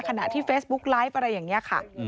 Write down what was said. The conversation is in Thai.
ขณะที่เฟซบุ๊กไลฟ์อะไรอย่างนี้ค่ะ